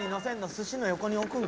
寿司の横に置くんか？